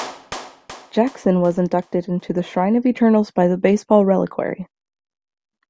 Jackson was inducted into the Shrine of the Eternals by the Baseball Reliquary.